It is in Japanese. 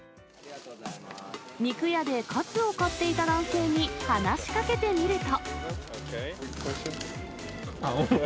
肉屋でカツを買っていた男性に話しかけてみると。